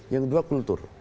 yang kedua kultur